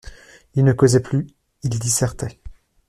Il ne causait plus, il dissertait.